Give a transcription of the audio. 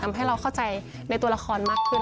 ทำให้เราเข้าใจในตัวละครมากขึ้น